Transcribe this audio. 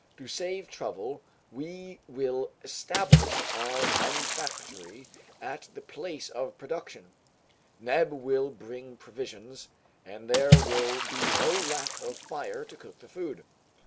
To save trouble, we will establish our manufactory at the place of production. Neb will bring provisions, and there will be no lack of fire to cook the food."